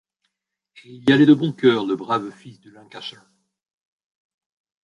Et il y allait de bon cœur, le brave fils du Lancashire !